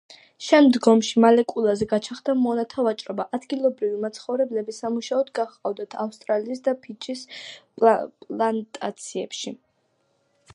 შემდგომში მალეკულაზე გაჩაღდა მონათა ვაჭრობა: ადგილობრივი მაცხოვრებლები სამუშაოდ გაჰყავდათ ავსტრალიის და ფიჯის პლანტაციებში.